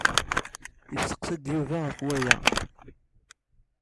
Yesteqsa-d Yuba ɣef waya.